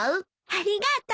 ありがとう。